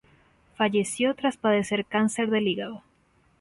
Falleció tras padecer cáncer de hígado.